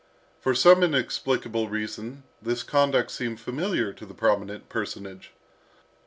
For some inexplicable reason, this conduct seemed familiar to the prominent personage.